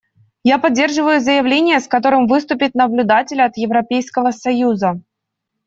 Я поддерживаю заявление, с которым выступит наблюдатель от Европейского союза.